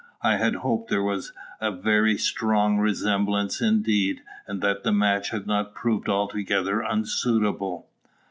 I had hoped there was a very strong resemblance indeed, and that the match had not proved altogether unsuitable.